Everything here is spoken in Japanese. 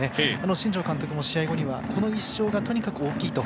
新庄監督も試合後にはこの１勝がとにかく大きいと。